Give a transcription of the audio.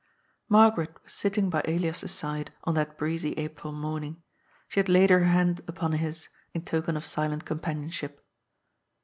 Margaret was sitting by Elias's side on that breezy April morning. She had laid her hand upon his, in token of silent companionship.